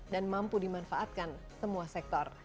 dan mampu dimanfaatkan semua sektor